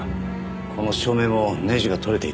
この照明もネジが取れていた。